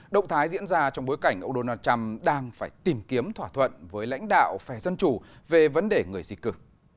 động thái diễn ra trong bối cảnh ông donald trump đang phải tìm kiếm thỏa thuận với lãnh đạo phè dân chủ về vấn đề người di cư